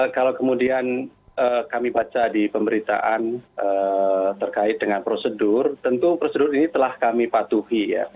kalau kemudian kami baca di pemberitaan terkait dengan prosedur tentu prosedur ini telah kami patuhi ya